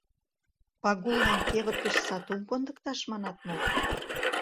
— Пагуллан кевыт гыч сатум кондыкташ манат мо?